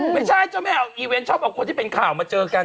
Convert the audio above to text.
ไม่ใช่บนอีเว้นชอบเอาคนที่เป็นข่าวมาเจอกัน